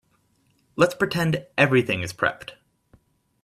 Let's pretend everything is prepped.